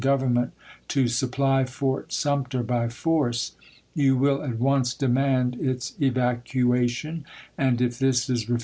Washiugtoii Government to supply Fort Sumter by force, Walker jou "will at once demand its evacuation, and, if this is re gai?